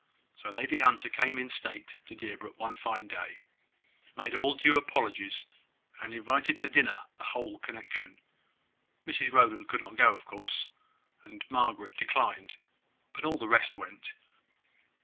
So Lady Hunter came in state to Deerbrook, one fine day, made all due apologies, and invited to dinner the whole connection. Mrs Rowland could not go, of course; and Margaret declined: but all the rest went.